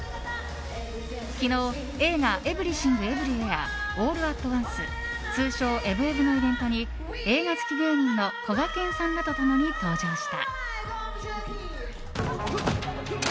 昨日、映画「エブリシング・エブリウェア・オール・アット・ワンス」通称「エブエブ」のイベントに映画好き芸人のこがけんさんらと共に登場した。